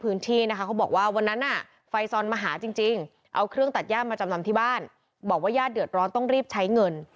เอาเครื่องตัดย่ามาจำนำที่บ้านบอกว่าย่าเดือดร้อนต้องรีบใช้เงิน